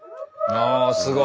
ああすごい。